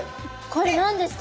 これ何ですか？